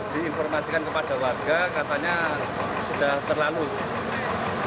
diinformasikan kepada warga katanya sudah terlalu